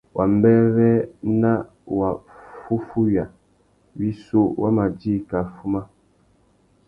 Wambêrê na waffúffüiya wissú wa ma djï kā fuma.